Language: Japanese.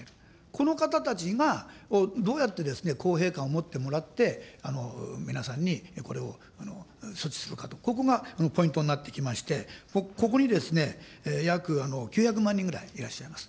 この方たちがどうやってですね、公平感を持ってもらって、皆さんにこれを措置するかと、ここがポイントになってきまして、ここにですね、約９００万人ぐらいいらっしゃいます。